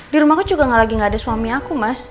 di rumahku juga gak lagi gak ada suami aku mas